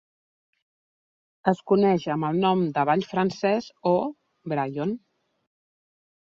Es coneix amb el nom de "Vall francès" o "Brayon".